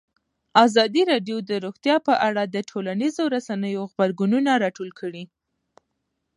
ازادي راډیو د روغتیا په اړه د ټولنیزو رسنیو غبرګونونه راټول کړي.